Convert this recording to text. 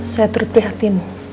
saya turut prihatin